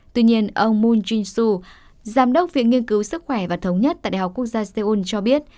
tuy nhiên ông moon jinsu giám đốc viện nghiên cứu sức khỏe và thống nhất tại đại học quốc gia seoul cho biết